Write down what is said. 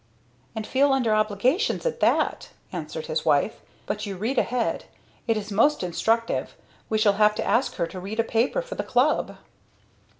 "And feel under obligations at that!" answered his wife. "But you read ahead. It is most instructive. We shall have to ask her to read a paper for the Club!"